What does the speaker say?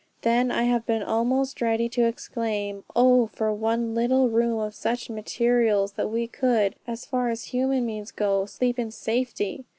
Then I have been almost ready to exclaim, Oh for one little, little room of such materials, that we could, as far as human means go, sleep in safety.